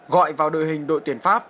gọi vào đội hình đội tuyển pháp